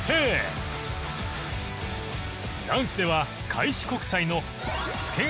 男子では開志国際の介川